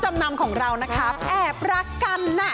จำนำของเรานะครับแอบรักกันน่ะ